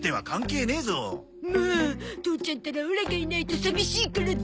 もう父ちゃんったらオラがいないと寂しいからって。